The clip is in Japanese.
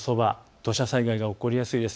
土砂災害が起こりやすいです。